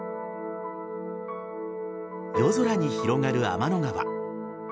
夜空に広がる天の川。